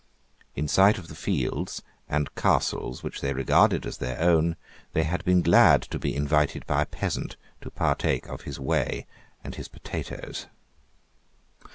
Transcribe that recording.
In sight of the fields and castles which they regarded as their own, they had been glad to be invited by a peasant to partake of his whey and his potatoes.